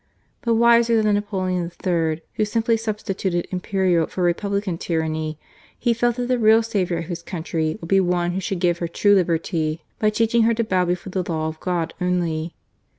But wiser than Napoleon III., who simply substi tuted imperial for republican tyranny, he felt that the real saviour of his country would be one who should give her true liberty by teaching her to bow before the Law of God only.